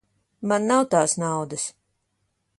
Man nav tās naudas.